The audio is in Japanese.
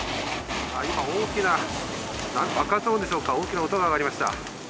今、大きな爆発音でしょうか、大きな音があがりました。